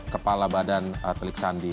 kepala badan artelik sandi